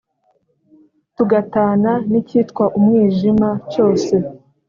Tugatana nikitwa umwijima cyose